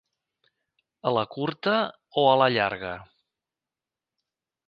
A la curta o a la llarga.